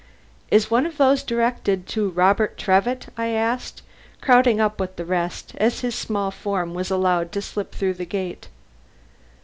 "Is one of those directed to Robert Trevitt?" I asked, crowding up with the rest, as his small form was allowed to slip through the gate.